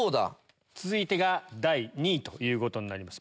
続いてが第２位ということになります。